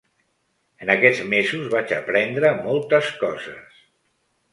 En aquests mesos vaig aprendre moltes coses.